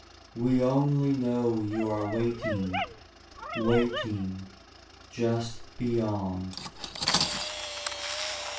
We only know you are Waiting, waiting, Just beyond.